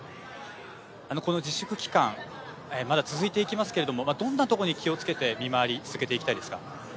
この自粛期間まだ続いていきますけれどもどんなところに気をつけて見回り続けていきたいですか？